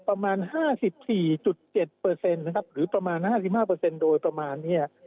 ประมาณ๕๔๗เปอร์เซ็นต์นะครับหรือประมาณ๕๕เปอร์เซ็นต์โดยประมาณนี้